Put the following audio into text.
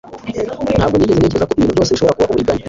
ntabwo nigeze ntekereza ko ibintu byose bishobora kuba uburiganya